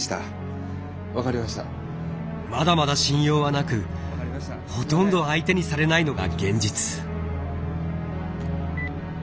まだまだ信用はなくほとんど相手にされないのが現実。